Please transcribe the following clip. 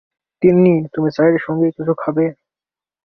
তিন্নি, তুমি চায়ের সঙ্গে কিছু খাবে?